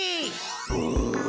うん。